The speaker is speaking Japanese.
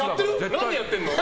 何でやってるの？